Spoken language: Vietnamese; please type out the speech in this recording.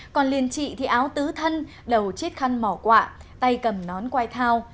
còn liền trị thì áo tứ thân đầu chiết khăn mỏ quạ tay cầm nón quai thao